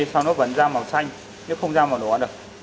xong nó vẫn ra màu xanh chứ không ra màu đỏ được